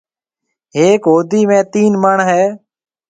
هيڪ هودي ۾ تين مَڻ هيَ۔